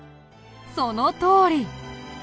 そのとおり。